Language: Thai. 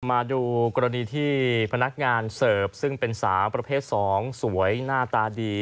มาดูกรณีที่พนักงานเสิร์ฟซึ่งเป็นสาวประเภท๒สวยหน้าตาดี